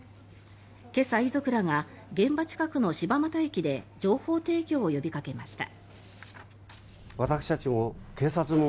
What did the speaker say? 今朝、遺族らが現場近くの柴又駅で情報提供を呼びかけました。